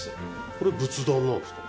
これ仏壇なんですか？